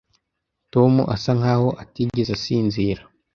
Tom asa nkaho atigeze asinzira.